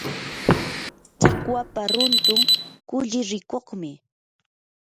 tsakwapa runtun kulli rikuqmi.